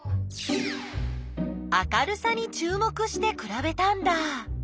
明るさにちゅう目してくらべたんだ。